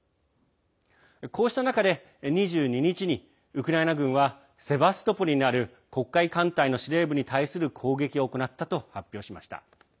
こうした中で２２日にウクライナ軍はセバストポリにある黒海艦隊の司令部に対する攻撃を行ったと発表しました。